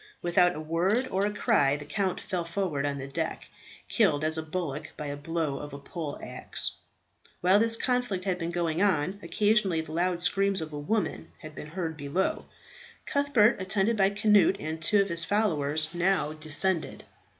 Without a word or a cry the count fell forward on the deck, killed as a bullock by a blow of a pole axe. While this conflict had been going on, occasionally the loud screams of a woman had been heard below. Cuthbert, attended by Cnut and two of his followers, now descended.